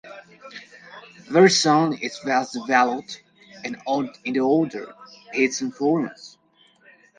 Bird song is best developed in the order Passeriformes.